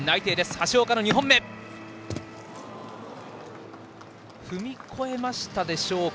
橋岡の２本目は踏み越えましたでしょうか。